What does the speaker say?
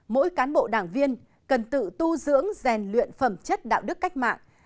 mỗi cán bộ đảng viên cần tự tu dưỡng rèn luyện phẩm chất đạo đức cách mạng